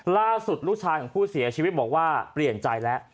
ล่าสุดลูกชายของผู้เสียชีวิตบอกว่าเปลี่ยนใจแล้ว